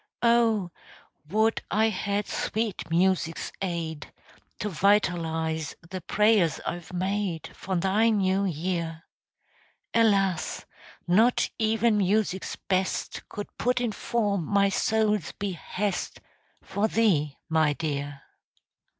Oh, would I had sweet music's aid To vitalize the prayers I've made For thy new year; Alas! not even music's best Could put in form my soul's behest For thee, my dear.